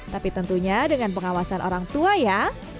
tapi tentunya dengan pengawasan orang tua ya